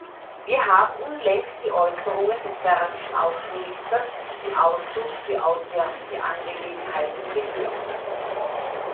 Wir haben unlängst die Äußerungen des serbischen Außenministers im Ausschuss für auswärtige Angelegenheiten gehört.